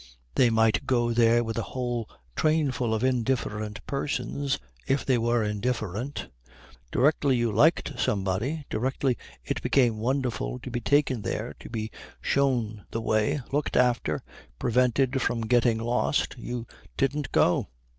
They might go there with a whole trainful of indifferent persons if they were indifferent. Directly you liked somebody, directly it became wonderful to be taken there, to be shown the way, looked after, prevented from getting lost, you didn't go.